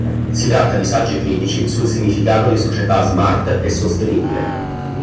Si tratta di saggi critici sul significato di società ‘smart' e 'sostenibile'.